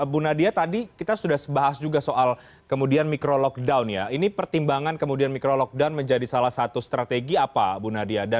bu nadia tadi kita sudah bahas juga soal kemudian micro lockdown ya ini pertimbangan kemudian micro lockdown menjadi salah satu strategi apa bu nadia